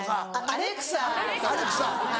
アレクサ。